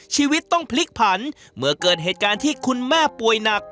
ชีวิตต้องพลิกผันเมื่อเกิดเหตุการณ์ที่คุณแม่ป่วยหนัก